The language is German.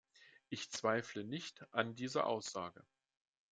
Ich zweifle nicht an dieser Aussage.